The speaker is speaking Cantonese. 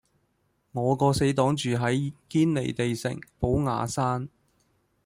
我個死黨住喺堅尼地城寶雅山